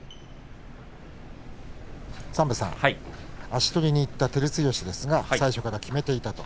足取りにいった照強ですが最初から決めていったと。